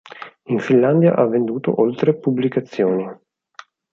In Finlandia ha venduto oltre pubblicazioni.